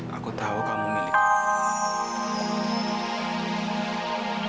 mano masih gibtum aku bes sprinkle it seekal